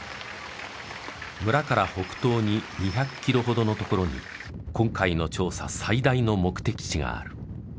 村から北東に２００キロほどの所に今回の調査最大の目的地がある。